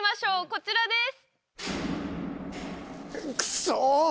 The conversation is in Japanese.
こちらです。